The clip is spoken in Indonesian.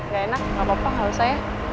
gak enak gak apa apa gak usah ya